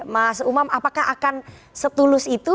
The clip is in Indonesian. mas umam apakah akan setulus itu